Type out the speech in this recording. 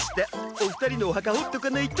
お二人のお墓掘っとかないと。